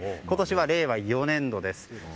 今年は令和４年度です。